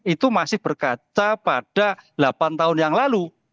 itu masih berkata pada delapan tahun yang lalu